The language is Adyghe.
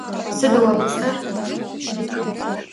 Sıd vo pts'er?